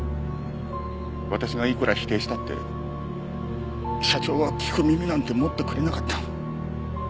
私がいくら否定したって社長は聞く耳なんて持ってくれなかった。